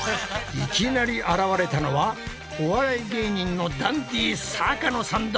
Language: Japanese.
いきなり現れたのはお笑い芸人のダンディ坂野さんだ！